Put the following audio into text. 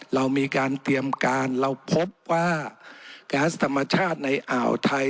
เรามีการเตรียมการเราพบว่าแก๊สธรรมชาติในอ่าวไทย